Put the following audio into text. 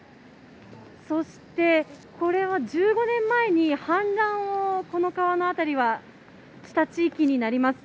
そして、これは１５年前に氾濫をこの川の辺りはした地域になります。